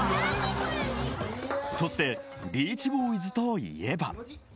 ［そして『ビーチボーイズ』といえば］